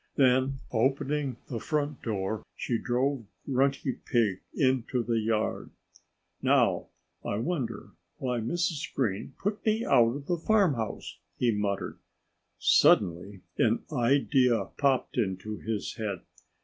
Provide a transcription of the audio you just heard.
Then, opening the front door, she drove Grunty Pig into the yard. "Now, I wonder why Mrs. Green put me out of the farmhouse," he muttered. Suddenly an idea popped into his head.